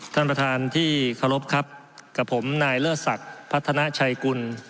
ท่านประธานที่เคารพครับกับผมนายเลิศศักดิ์พัฒนาชัยกุล